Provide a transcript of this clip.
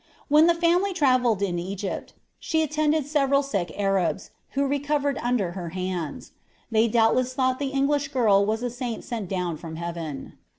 When the family travelled in Egypt, she attended several sick Arabs, who recovered under her hands. They doubtless thought the English girl was a saint sent down from heaven.